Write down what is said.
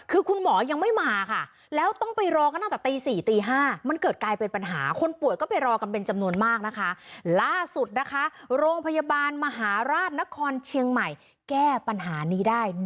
คุณหมอยังไม่มาค่ะ